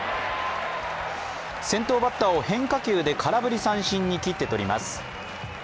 先頭バッターを変化球で空振り三振にきってとります。